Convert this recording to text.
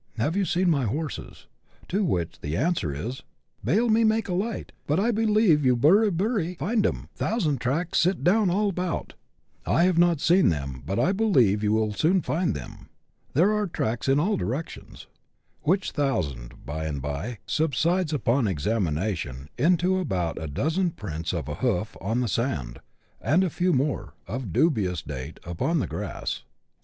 Have you seen my horses ?) To ;svhich the answer is, " Bale me make a light, but I believe you burra burri find 'em ; thousand track sit down all about ;" (I have not seen them, but I believe you will soon find them ; there are tracks in all directions) ; which " thousand," by the by, subsides upon examination into about a dozen prints of a hoof on the sand, and a few more, of dubious date, upon the grass.